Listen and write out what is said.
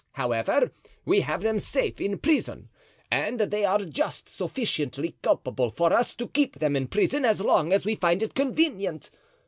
However, we have them safe in prison, and they are just sufficiently culpable for us to keep them in prison as long as we find it convenient.